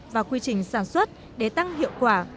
và quy trình sản xuất để tăng hiệu quả